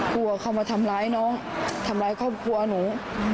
กลัวเข้ามาทำร้ายน้องทำร้ายครอบครัวหนู